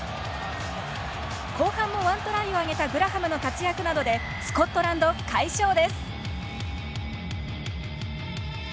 後半も１トライを挙げたグラハムの活躍などでスコットランド、快勝です。